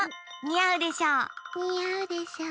にあうでしょ。